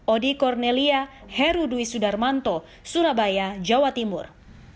odi cornelia herudwi sudarmanto surabaya jawa timur